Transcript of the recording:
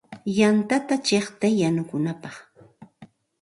Yantata chiqtay yanukunapaq.